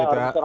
ya betul mas